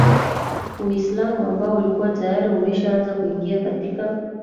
Uislamu ambao ulikuwa tayari umeshaaza kuingia katika